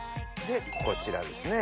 こちらですね。